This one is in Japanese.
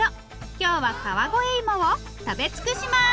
今日は川越いもを食べ尽くします！